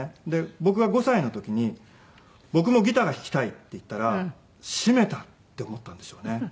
僕が５歳の時に「僕もギターが弾きたい」って言ったらしめたって思ったんでしょうね。